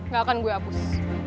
gak akan gue hapus